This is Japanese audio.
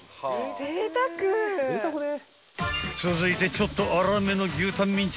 ［続いてちょっと粗めの牛タン